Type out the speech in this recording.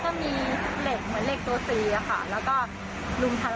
หน้ากล่องพลานครับหน้ากล่องพลานของพี่เองครับ